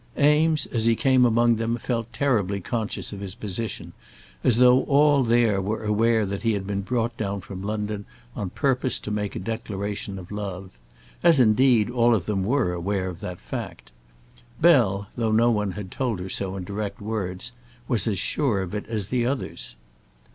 Eames as he came among them felt terribly conscious of his position, as though all there were aware that he had been brought down from London on purpose to make a declaration of love; as, indeed, all of them were aware of that fact. Bell, though no one had told her so in direct words, was as sure of it as the others.